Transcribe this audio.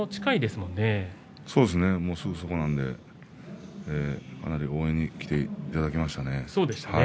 すぐそこなのでかなり応援に来ていただきました。